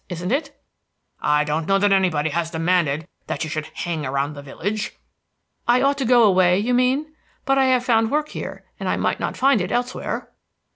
Isn't it?" "I don't know that anybody has demanded that you should hang around the village." "I ought to go away, you mean? But I have found work here, and I might not find it elsewhere."